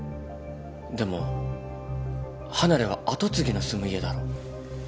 でも離れは跡継ぎの住む家だろ？